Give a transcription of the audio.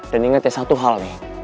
dan ingat ya satu hal nih